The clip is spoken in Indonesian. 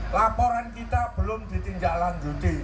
laporan kita belum ditindaklanjuti